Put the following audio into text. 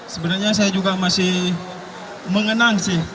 sebenarnya saya juga masih mengenang sih